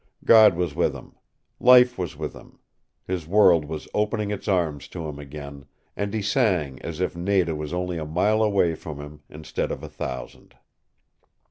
God was with him. Life was with him. His world was opening its arms to him again and he sang as if Nada was only a mile away from him instead of a thousand.